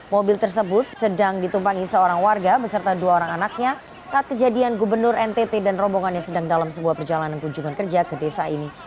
mobil tersebut sedang ditumpangi seorang warga beserta dua orang anaknya saat kejadian gubernur ntt dan rombongan yang sedang dalam sebuah perjalanan kunjungan kerja ke desa ini